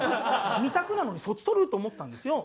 ２択なのにそっち取る？って思ったんですよ。